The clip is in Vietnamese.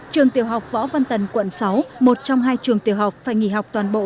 trường tiểu học võ văn tần quận sáu một trong hai trường tiểu học phải nghỉ học toàn bộ